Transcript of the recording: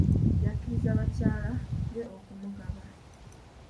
Yakkiriza bakyala be okumugaba.